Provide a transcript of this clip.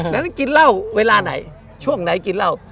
นั้นกินเหล้าเวลาไหนช่วงไหนกินเหล้า